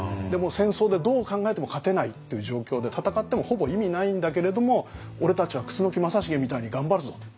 戦争でどう考えても勝てないっていう状況で戦ってもほぼ意味ないんだけれども俺たちは楠木正成みたいに頑張るぞと。